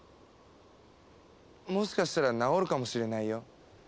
もしかしたら治るかもしれないよ。